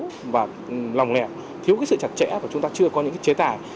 nó bị lòng lẹ thiếu cái sự chặt chẽ và chúng ta chưa có những cái chế tài